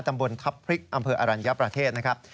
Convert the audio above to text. ตำบลทัพพริกอำเภออรัญญประเทศนะครับ